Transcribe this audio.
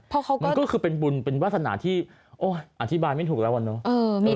เพราะมันก็คือเป็นบุญเป็นวาสนาที่อธิบายไม่ถูกแล้วอะเนาะ